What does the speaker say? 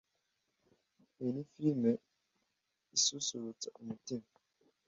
Iyi ni firime isusurutsa umutima